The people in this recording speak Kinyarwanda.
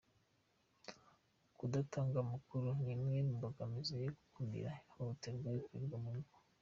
Kudatanga amakuru ni imwe mu mbogamizi zo gukumira ihohoterwa rikorerwa mu ngo